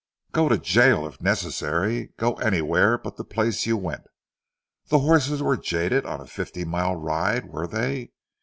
"Go to jail if necessary. Go anywhere but the place you went. The horses were jaded on a fifty mile ride, were they?